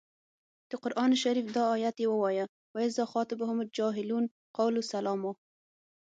د قران شریف دا ایت یې ووايه و اذا خاطبهم الجاهلون قالو سلاما.